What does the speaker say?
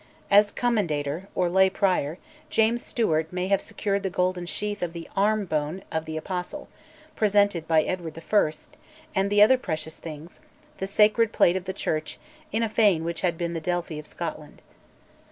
As Commendator, or lay Prior, James Stewart may have secured the golden sheath of the arm bone of the Apostle, presented by Edward I., and the other precious things, the sacred plate of the Church in a fane which had been the Delphi of Scotland.